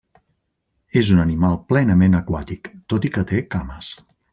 És un animal plenament aquàtic, tot i que té cames.